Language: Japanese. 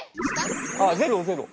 あっゼロゼロ！